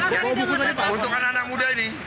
ya untungan anak anak muda ini